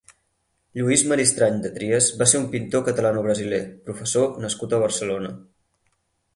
Luís Maristany de Trias va ser un pintor catalano-brasiler, professor nascut a Barcelona.